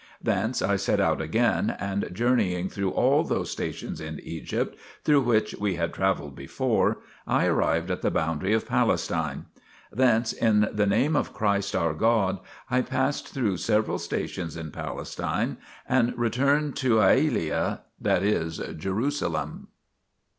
Thence I set out again, and journeying through all those stations in Egypt through which we had travelled before, I arrived at the boundary of Palestine. Thence in the Name of Christ our God I passed through several stations in Palestine and returned to Aelia, 1 that is Jerusalem.